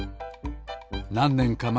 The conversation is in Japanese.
なんねんかまえ